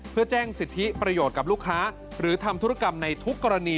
เพื่อแจ้งสิทธิประโยชน์กับลูกค้าหรือทำธุรกรรมในทุกกรณี